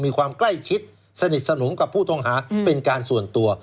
มีความใกล้ชิดสนิทสนมกับผู้ต้องหาเป็นการส่วนตัว